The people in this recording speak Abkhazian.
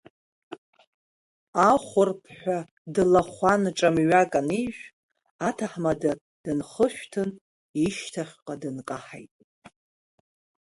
Ахәрԥҳәа длахәан ҿамҩак анижә, аҭаҳмада дынхышәҭын ишьҭахьҟа дынкаҳаит.